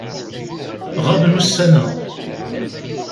Ɣaben ussan-a.